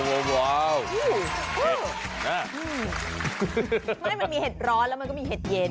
มันมีเห็ดร้อนแล้วมันก็มีเห็ดเย็น